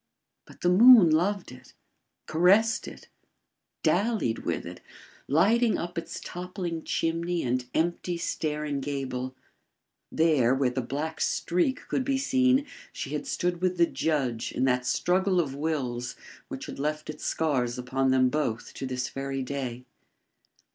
But the moon loved it; caressed it; dallied with it, lighting up its toppling chimney and empty, staring gable. There, where the black streak could be seen, she had stood with the judge in that struggle of wills which had left its scars upon them both to this very day.